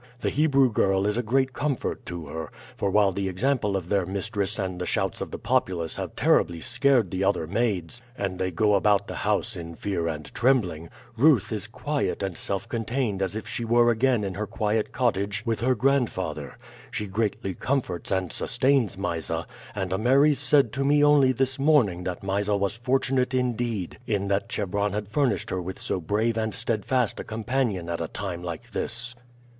The Hebrew girl is a great comfort to her, for while the example of their mistress and the shouts of the populace have terribly scared the other maids, and they go about the house in fear and trembling, Ruth is quiet and self contained as if she were again in her quiet cottage with her grandfather. She greatly comforts and sustains Mysa, and Ameres said to me only this morning that Mysa was fortunate indeed in that Chebron had furnished her with so brave and steadfast a companion at a time like this."